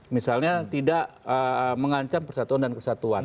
misalnya tidak mengancam persatuan dan kesatuan